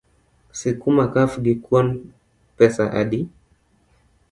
Sikuma kaf gi kuon pesa adi?